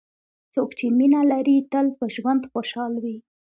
څوک چې مینه لري، تل په ژوند خوشحال وي.